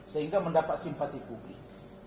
sehingga mendapat simpati publik